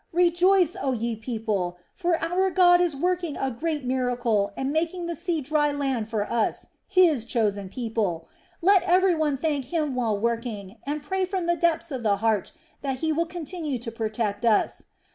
Rejoice, oh, ye people; for our God is working a great miracle and making the sea dry land for us, His chosen people. Let everyone thank Him while working, and pray from the depths of the heart that He will continue to protect us.